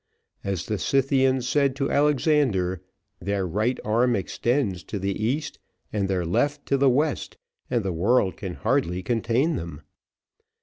As the Scythians said to Alexander, their right arm extends to the east, and their left to the west, and the world can hardly contain them.